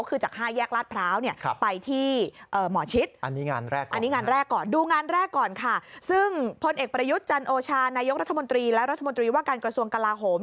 คือจาก๕แยกลาดพร้าวไปที่หมอชิด